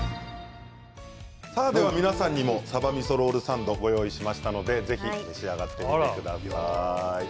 皆さんにもさばみそロールサンドをご用意しましたのでぜひ召し上がってみてください。